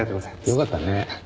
よかったね。